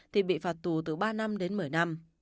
thì bị phạt tù từ ba năm đến một mươi năm